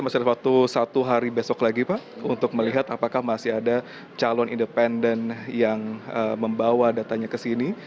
masih ada waktu satu hari besok lagi pak untuk melihat apakah masih ada calon independen yang membawa datanya ke sini